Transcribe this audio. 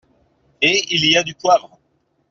Et il y a du poivre !